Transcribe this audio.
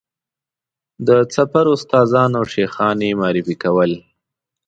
د سفر استادان او شیخان یې معرفي کول.